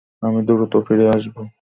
আমি দ্রুত ফিরে আসব।